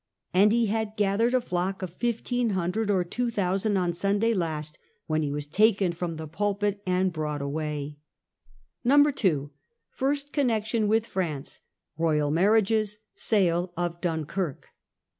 And he had gathered a flock of 1,500 or 2,000 on Sunday last when he was taken from the pulpit and brought away.* 2. First Connection with France. Royal Marriages. Sale of Dunkirk.